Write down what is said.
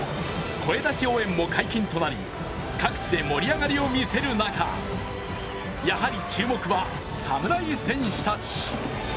声出し応援も解禁となり各地で盛り上がりを見せる中、やはり注目は侍戦士たち。